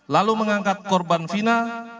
lalu mengangkat korban fina